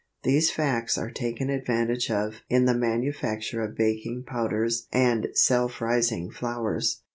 These facts are taken advantage of in the manufacture of baking powders and self rising flours.